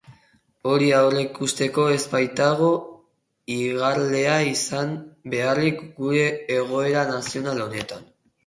Hori aurreikusteko ez baitago igarlea izan beharrik gure egoera nazional honetan.